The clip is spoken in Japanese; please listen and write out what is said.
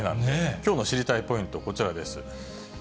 きょうの知りたいポイント、こちらです。